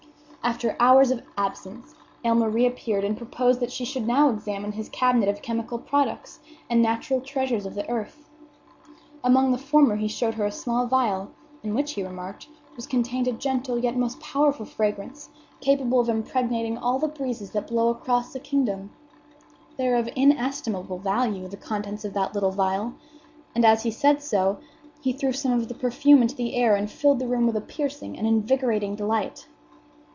After hours of absence, Aylmer reappeared and proposed that she should now examine his cabinet of chemical products and natural treasures of the earth. Among the former he showed her a small vial, in which, he remarked, was contained a gentle yet most powerful fragrance, capable of impregnating all the breezes that blow across a kingdom. They were of inestimable value, the contents of that little vial; and, as he said so, he threw some of the perfume into the air and filled the room with piercing and invigorating delight.